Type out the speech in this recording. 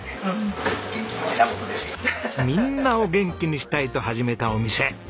みんなを元気にしたいと始めたお店。